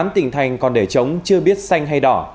tám tỉnh thành còn để chống chưa biết xanh hay đỏ